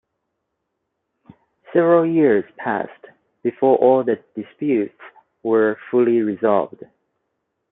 Several years passed before all the disputes were fully resolved.